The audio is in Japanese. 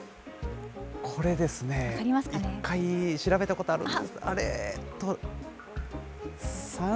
これですね、一回調べたことあるんですが、あれ？